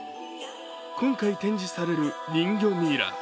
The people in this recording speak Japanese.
今回展示される人魚ミイラ。